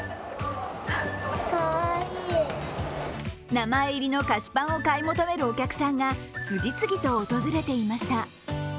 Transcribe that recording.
名前入りの菓子パンを買い求めるお客さんが次々と訪れていました。